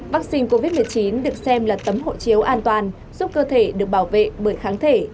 vaccine covid một mươi chín được xem là tấm hộ chiếu an toàn giúp cơ thể được bảo vệ bởi kháng thể